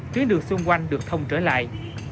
tuyến đường xung quanh được thông trở lại